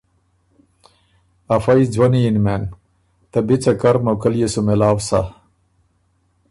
افئ ځوَنی یِن مېن، ته بی څۀ کر موقع ليې سُو مېلاؤ سَۀ